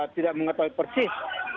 tidak mengetahui persis